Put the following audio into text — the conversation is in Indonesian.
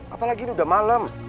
apalagi ini udah malam